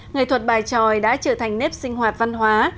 nghệ thuật bài tròi đã trở thành nếp sinh hoạt văn hóa